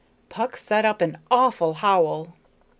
Puck set up an awful howl.